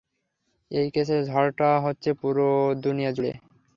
এই কেসে, ঝড়টা হচ্ছে পুরো দুনিয়াজুড়ে!